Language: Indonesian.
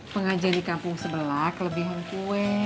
mengajar di kampung sebelah kelebihan kue